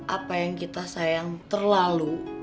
apa yang kita sayang terlalu